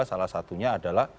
salah satunya adalah